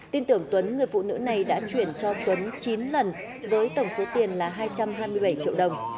tin tưởng tuấn người phụ nữ này đã chuyển cho tuấn chín lần với tổng số tiền là hai trăm hai mươi bảy triệu đồng